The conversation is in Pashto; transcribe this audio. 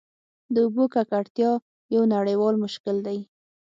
د اوبو ککړتیا یو نړیوال مشکل دی.